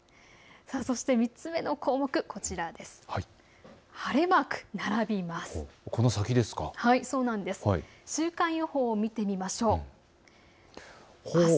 そして３つ目の項目、こちらです。